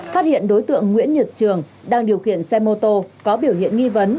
phát hiện đối tượng nguyễn nhật trường đang điều khiển xe mô tô có biểu hiện nghi vấn